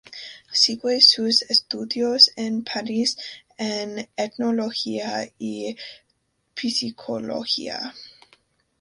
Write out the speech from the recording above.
Sigue sus estudios en París en etnología y psicología.